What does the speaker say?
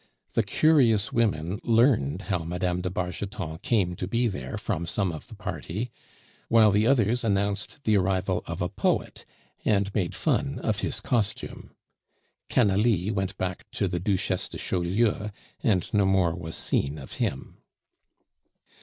The curious women learned how Mme. de Bargeton came to be there from some of the party, while the others announced the arrival of a poet, and made fun of his costume. Canalis went back to the Duchesse de Chaulieu, and no more was seen of him.